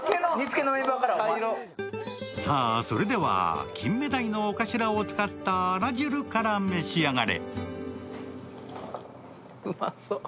それでは、金目鯛のおかしらを使ったあら汁から召し上がれ。